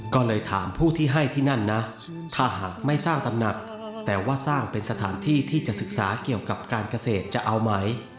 ก็เลยถามผู้ที่ให้ที่นั่นนะถ้าหากไม่สร้างตำหนักแต่ว่าสร้างเป็นสถานที่ที่จะศึกษาเกี่ยวกับการเกษตรจะเอาไหม